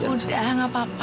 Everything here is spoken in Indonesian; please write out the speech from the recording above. udah enggak apa apa